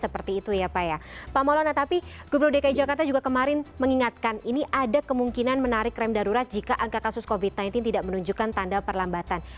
pemula nah tapi gubernur dki jakarta juga kemarin mengingatkan ini ada kemungkinan menarik krem darurat jika angka kasus covid sembilan belas tidak menunjukkan tanda perlambatan